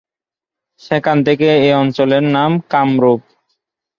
সেখান থেকেই এই অঞ্চলের নাম কামরূপ।